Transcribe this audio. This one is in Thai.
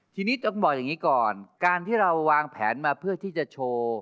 ทีนี้ต้องบอกอย่างนี้ก่อนการที่เราวางแผนมาเพื่อที่จะโชว์